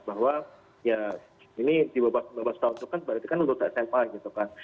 bahwa ya ini di bawah sembilan belas tahun itu kan berarti kan lurus sma gitu kan